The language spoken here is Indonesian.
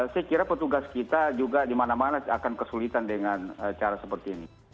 saya kira petugas kita juga di mana mana akan kesulitan dengan cara seperti ini